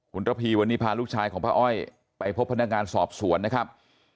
คุณระพีวันนี้พาลูกชายของป้าอ้อยไปพบพนักงานสอบสวนนะครับ